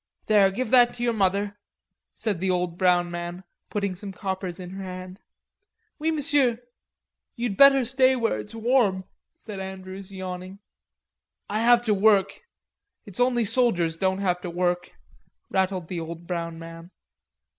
"There, give that to your mother," said the old brown man, putting some coppers in her hand. "Oui, m'sieu." "You'd better stay here where it's warm," said Andrews yawning. "I have to work. It's only soldiers don't have to work," rattled the old brown man.